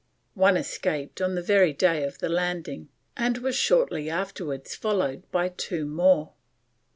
One escaped on the very day of the landing, and was shortly afterwards followed by two more.